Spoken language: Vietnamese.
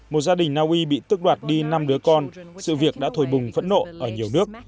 một gia đình naui bị tức đoạt đi năm đứa con sự việc đã thổi bùng phẫn nộ ở nhiều nước